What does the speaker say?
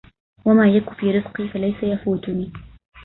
وما يك في رزقي فليس يفوتني